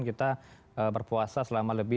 kita berpuasa selama lebih